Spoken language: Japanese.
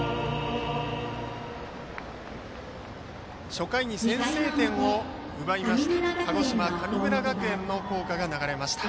初回に先制点を奪いました鹿児島・神村学園の校歌が流れました。